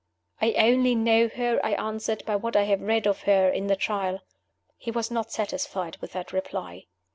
"I only know her," I answered, "by what I have read of her in the Trial." He was not satisfied with that reply.